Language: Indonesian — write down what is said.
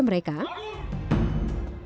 mereka adalah pembawa baki